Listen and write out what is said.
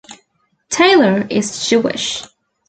Taylor is Jewish.